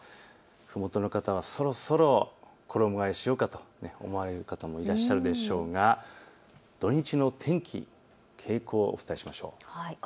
ふもとの方はそろそろ衣がえしようかなと思われる方もいらっしゃるでしょうが、土日の天気と傾向をお伝えしましょう。